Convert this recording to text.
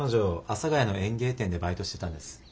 阿佐ヶ谷の園芸店でバイトしてたんです。